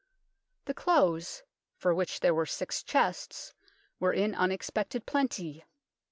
The clothes, for which there were six chests, were in unexpected plenty.